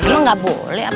lo gak boleh